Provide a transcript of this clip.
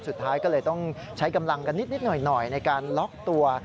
สุดท้ายก็เลยต้องใช้กำลังกันนิดหน่อยในการล็อกตัว